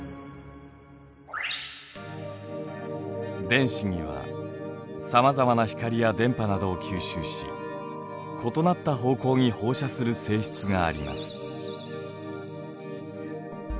電子にはさまざまな光や電波などを吸収し異なった方向に放射する性質があります。